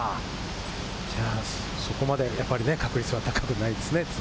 そこまで確率は高くないですね。